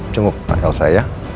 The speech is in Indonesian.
cenguk pak elsa ya